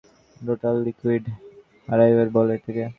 Total liquid hibernation বলে এটাকে।